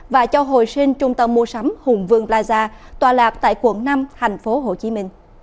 và cho hồi sinh trung tâm mua sắm hùng vương plaza tòa lạc tại quận năm tp hcm